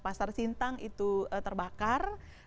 pasar sintang itu terbakar